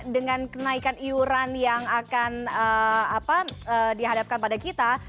dengan kenaikan iuran yang akan dihadapkan pada kita